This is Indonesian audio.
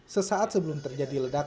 sesaat sebelum terjadi ledakan